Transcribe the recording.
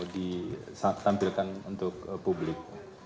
disampilkan untuk publik